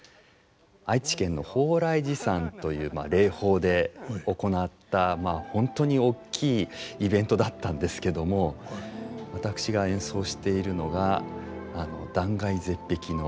愛知県の鳳来寺山という霊峰で行った本当に大きいイベントだったんですけども私が演奏しているのが断崖絶壁の。